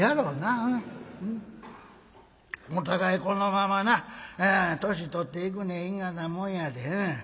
お互いこのままな年取っていくねん因果なもんやで。